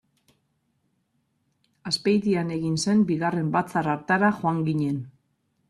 Azpeitian egin zen bigarren batzar hartara joan ginen.